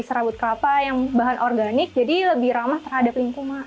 serabut kelapa yang bahan organik jadi lebih ramah terhadap lingkungan